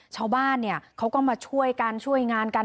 ชาวบ้านเขาก็มาช่วยกันช่วยงานกัน